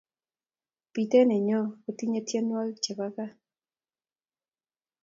biteet nenyo kotinyei tienwokik chebo gaa